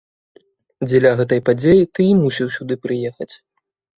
Дзеля гэтай падзеі ты і мусіў сюды прыехаць.